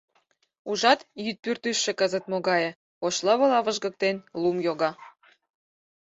Ужат, йӱд пӱртӱсшӧ кызыт могае: ош лывыла выжгыктен, лум йога.